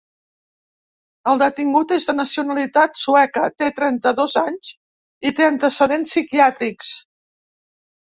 El detingut és de nacionalitat sueca, té trenta-dos anys i té antecedents psiquiàtrics.